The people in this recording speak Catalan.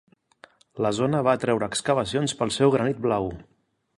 La zona va atraure excavacions pel seu "granit blau".